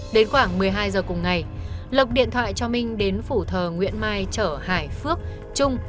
đến khoảng một mươi hai giờ cùng ngày lộc điện thoại cho minh đến phủ thờ nguyễn mai chở hải phước trung